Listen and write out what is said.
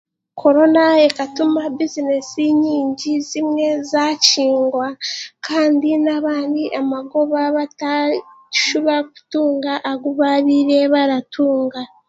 Korona ekatuma bizineesi nyingi zimwe zaakingwa kandi n'abandi amagoba bataashuba kutuunga agu baabaire batunga